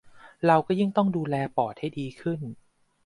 เราก็ยิ่งต้องดูแลปอดให้ดีขึ้น